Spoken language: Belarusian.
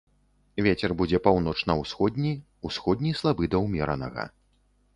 Вецер будзе паўночна-ўсходні, усходні слабы да ўмеранага.